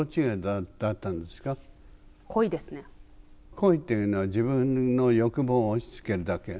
恋っていうのは自分の欲望を押しつけるだけ。